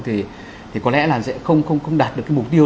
thì có lẽ là sẽ không đạt được cái mục tiêu